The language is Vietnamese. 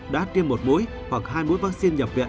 đã tiêm một mũi hoặc hai mũi vaccine nhập viện